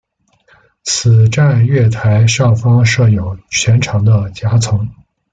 此站月台上方设有全长的夹层。